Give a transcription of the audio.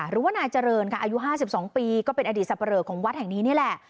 หรือว่านายเจริญค่ะอายุ๕๒ปีก็เป็นอดีตสับปะเลอของวัดแห่งนี้นี่แหละ